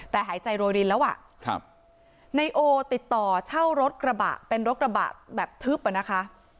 แต่หายใจโรยรินแล้วอ่ะครับนายโอติดต่อเช่ารถกระบะเป็นรถกระบะแบบทึบอ่ะนะคะ